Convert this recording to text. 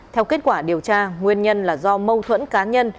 theo kết quả điều tra nguyên nhân là do mâu thuẫn cá nhân